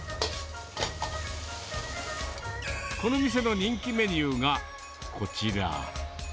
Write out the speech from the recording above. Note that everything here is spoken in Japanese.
この店の人気メニューがこちら。